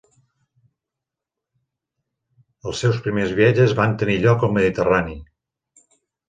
Els seus primers viatges van tenir lloc al Mediterrani.